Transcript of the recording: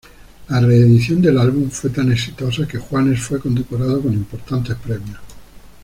La reedición del álbum fue tan exitosa que Juanes fue condecorado con importantes premios.